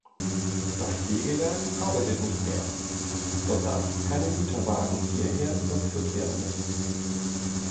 Das Sägewerk arbeitet nicht mehr, so dass keine Güterwagen hierher überführt werden müssen.